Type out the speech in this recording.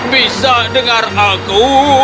bisa dengar aku